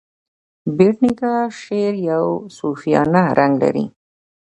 بېټ نیکه شعر یو صوفیانه رنګ لري.